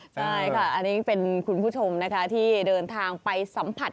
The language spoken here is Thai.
ใช่ค่ะอันนี้เป็นคุณผู้ชมนะคะที่เดินทางไปสัมผัส